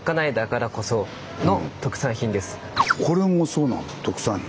これもそうなんですか特産品？